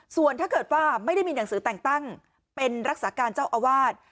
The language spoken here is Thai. ส่วนถ้าเกิดว่าไม่ได้มีหนังสือแต่งตั้งเป็นรักษาการเจ้าอาวาส